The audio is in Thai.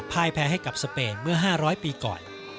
แพ้ให้กับสเปนเมื่อ๕๐๐ปีก่อน